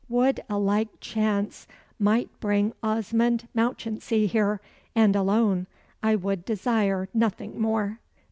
Would a like chance might bring Osmond Mounchensey here and alone I would desire nothing more."